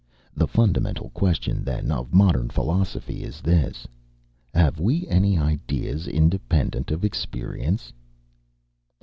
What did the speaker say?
The fundamental question, then, of modern philosophy is this Have we any ideas independent of experience?"